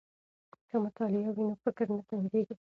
که مطالع وي نو فکر نه تنګیږي.